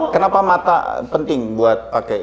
kenapa mata penting buat pake ini